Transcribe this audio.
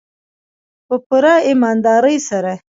په پوره ایمانداري سره.